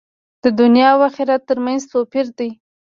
د دنیا او آخرت تر منځ توپیر دی.